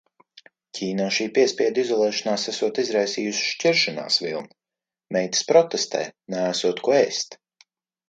Ķīnā šī piespiedu izolēšanās esot izraisījusi šķiršanās vilni. Meitas protestē – neesot ko ēst.